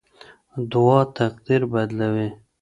دعا تقدیر بدلوي.